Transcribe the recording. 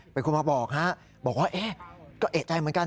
เป็นคนมาบอกฮะบอกว่าเอ๊ะก็เอกใจเหมือนกัน